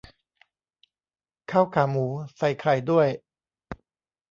ข้าวขาหมู ใส่ไข่ด้วย